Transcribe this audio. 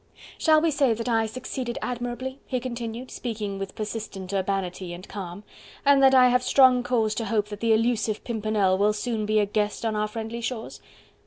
"Shall we say that I succeeded admirably?" he continued, speaking with persistent urbanity and calm, "and that I have strong cause to hope that the elusive Pimpernel will soon be a guest on our friendly shores?...